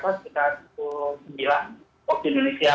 dan sekarang ini kami menuju di mana nantinya